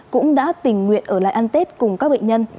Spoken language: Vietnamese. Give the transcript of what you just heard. cũng đã tình nguyện ở lại ăn tết cùng các bệnh nhân